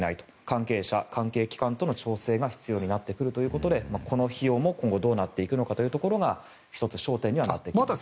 関係者、関係機関との調整が必要になってくるということでこの費用も今後どうなってくるのかが１つ、焦点にはなってきます。